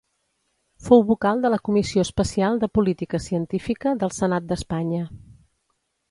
Fou vocal de la Comissió Especial de Política Científica del Senat d'Espanya.